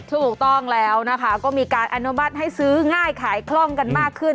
ถูกต้องแล้วนะคะก็มีการอนุมัติให้ซื้อง่ายขายคล่องกันมากขึ้น